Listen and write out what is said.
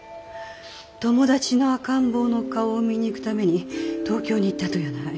友達の赤ん坊の顔を見に行くために東京に行ったとやない。